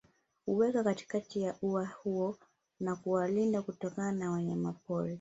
Huwekwa katikati ya ua huo na kuwalinda kutokana na wanyamapori